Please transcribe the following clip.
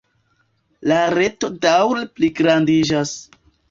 La reto daŭre pligrandiĝas.